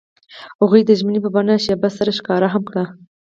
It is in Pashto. هغوی د ژمنې په بڼه شپه سره ښکاره هم کړه.